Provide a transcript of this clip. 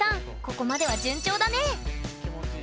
ここまでは順調だね！